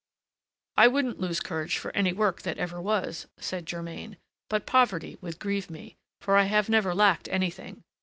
"I wouldn't lose courage for any work that ever was," said Germain; "but poverty would grieve me, for I have never lacked anything.